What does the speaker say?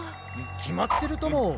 きまってるとも。